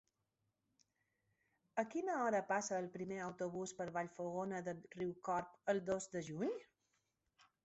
A quina hora passa el primer autobús per Vallfogona de Riucorb el dos de juny?